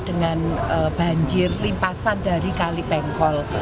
dengan banjir limpasan dari kalipengkol